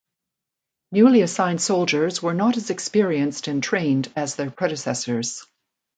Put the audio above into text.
Newly assigned soldiers were not as experienced and trained as their predecessors.